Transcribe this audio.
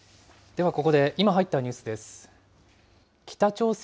ではここで、今入ったニュースです。